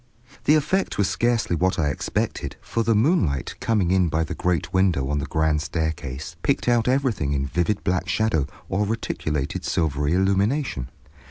The effect was scarcely what I expected, for the moonlight, coming in by the great window on the grand staircase, picked out everything in vivid black shadow or reticulated silvery illumination.